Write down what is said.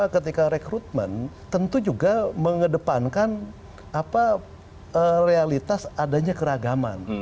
ketika rekrutmen tentu juga mengedepankan realitas adanya keragaman